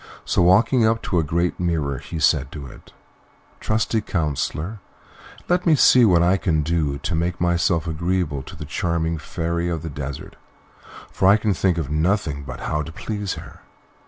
So walking up to a great mirror, he said to it, "Trusty counsellor, let me see what I can do to make myself agreeable to the charming Fairy of the Desert; for I can think of nothing but how to please her."